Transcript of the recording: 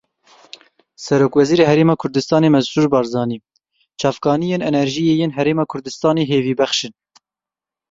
Serokwezîrê Herêma Kurdistanê Mesrûr Barzanî Çavkaniyên enerjiyê yên Herêma Kurdistanê hêvîbexş in.